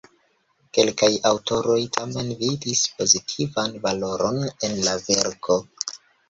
Kelkaj aŭtoroj tamen vidis pozitivan valoron en la verko.